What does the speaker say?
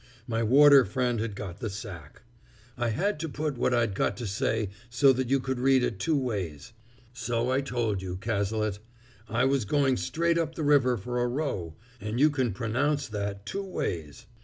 My warder friend had got the sack. I had to put what I'd got to say so that you could read it two ways. So I told you, Cazalet, I was going straight up the river for a row and you can pronounce that two ways.